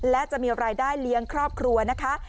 และจะมีรายได้เลี้ยงครอบครัวนะคะ